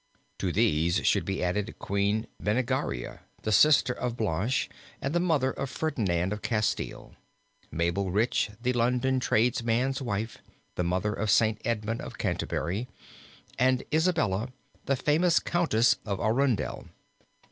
To these should be added Queen Berengaria, the sister of Blanche, and the mother of Ferdinand of Castile; Mabel Rich, the London tradesman's wife, the mother of St. Edmund of Canterbury; and Isabella, the famous Countess of Arundel.